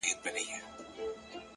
پوهه د پرمختګ لپاره وزرونه ورکوي